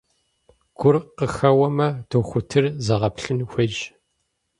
Гур къыхэуэмэ, дохутыр зэгъэплъын хуейщ.